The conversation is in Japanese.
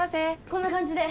こんな感じで！